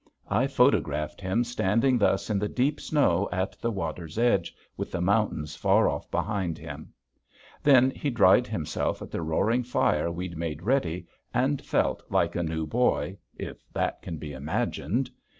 I photographed him standing thus in the deep snow at the water's edge with the mountains far off behind him. Then he dried himself at the roaring fire we'd made ready and felt like a new boy if that can be imagined.